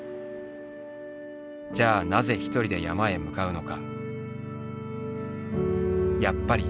じゃあなぜ一人で山へ向かうのか」。